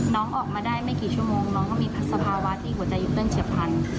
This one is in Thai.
น้องออกมาได้ไม่กี่ชั่วโมงน้องก็มีสภาวะที่หัวใจหยุดเต้นเฉียบพลัน